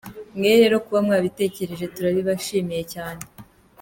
Mwe rero kuba mwabitekereje turabibashimiye cyane.